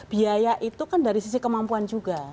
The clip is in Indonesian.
biaya itu kan dari sisi kemampuan juga